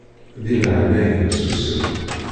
Di leɛnaya-m susem.